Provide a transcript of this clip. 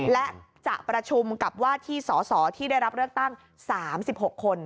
และจะประชุมกับว่าที่สสที่ได้รับเลือกตั้ง๓๖คน